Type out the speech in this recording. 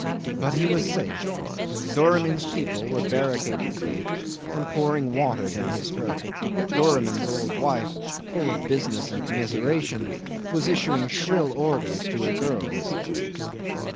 But he was safe. Doramin's people were barricading the gate and pouring water down his throat; Doramin's old wife, full of business and commiseration, was issuing shrill orders to her girls.